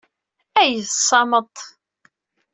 Ay d ssameṭ!